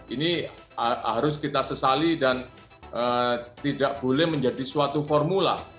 ini harus kita sesali dan tidak boleh menjadi suatu formula